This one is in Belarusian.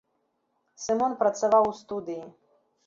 Сымон працаваў у студыі.